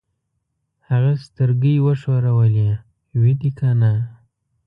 هغه سترګۍ وښورولې: وي دې کنه؟